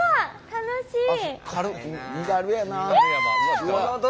楽しい！